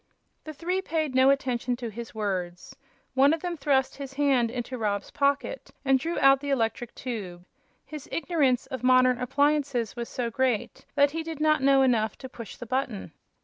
The three paid no attention to his words. One of them thrust his hand into Rob's pocket and drew out the electric tube. His ignorance of modern appliances was so great that he did not know enough to push the button.